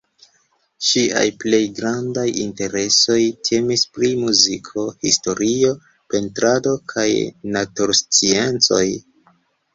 Ŝiaj plej grandaj interesoj temis pri muziko, historio, pentrado kaj natursciencoj.